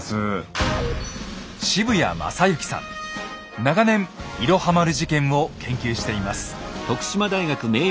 長年「いろは丸事件」を研究しています。